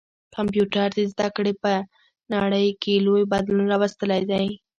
کمپيوټر د زده کړي په نړۍ کي لوی بدلون راوستلی دی.